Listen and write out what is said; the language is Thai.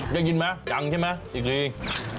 ยังกินไหมยังใช่ไหมอีกนิดนึง